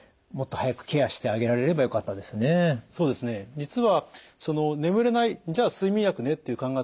実はその眠れないじゃあ睡眠薬ねっていう考え方